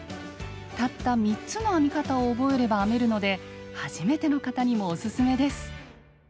たった３つの編み方を覚えれば編めるので初めての方にもおすすめです。